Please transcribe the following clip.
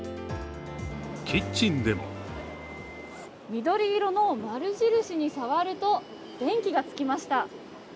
キッチンでも緑色の丸印に触ると電気がつきました。